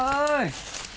con đâu rồi